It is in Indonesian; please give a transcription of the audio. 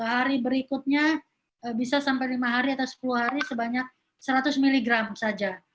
hari berikutnya bisa sampai lima hari atau sepuluh hari sebanyak seratus mg saja